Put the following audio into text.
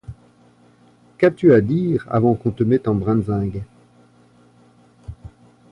Qu'as-tu à dire avant qu'on te mette en brindesingues?